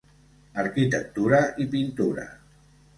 Arquitectura i Pintura.